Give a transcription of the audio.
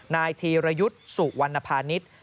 นายธีรยุทธ์สุวรรณภานิษฐ์